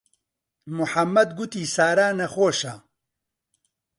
موحەممەد گوتی سارا نەخۆشە.